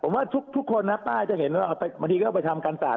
ผมว่าผมว่าทุกคนนะป้ายจะเห็นบางทีก็เอาไปทำการสะอาด